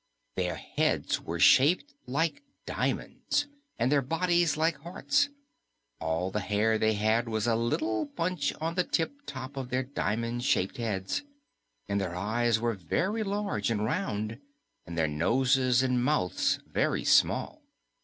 Their heads were shaped like diamonds, and their bodies like hearts. All the hair they had was a little bunch at the tip top of their diamond shaped heads, and their eyes were very large and round, and their noses and mouths very small.